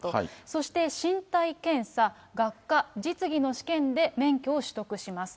そして身体検査、学科、実技の試験で免許を取得します。